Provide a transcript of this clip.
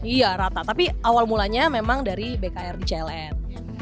iya rata tapi awal mulanya memang dari bkrdcln